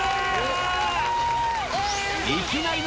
いきなりの